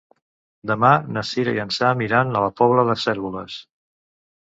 Demà na Cira i en Sam iran a la Pobla de Cérvoles.